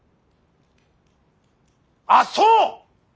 あっそう！